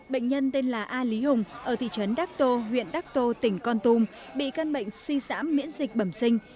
bệnh nhân tên là a lý hùng ở thị trấn đắc tô huyện đắc tô tỉnh con tum bị căn bệnh suy giảm miễn dịch bẩm sinh